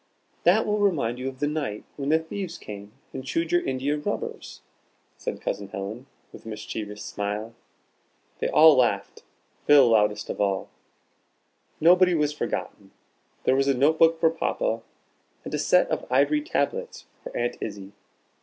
"That will remind you of the night when the thieves came and chewed your india rubbers," said Cousin Helen, with a mischievous smile. They all laughed, Phil loudest of all. Nobody was forgotten. There was a notebook for Papa, and a set of ivory tablets for Aunt Izzie.